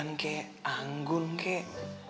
yang kayak anggun kayak